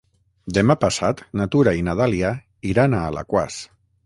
Demà passat na Tura i na Dàlia iran a Alaquàs.